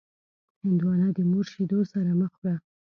هندوانه د مور شیدو سره مه خوره.